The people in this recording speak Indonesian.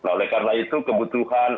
oleh karena itu kebutuhan